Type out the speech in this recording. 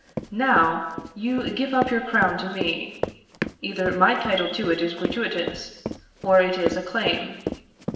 _" Now, you give up your crown to me. Either my title to it is gratuitous, or it is a claim.